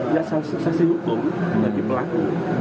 ya saksi hukum bagi pelaku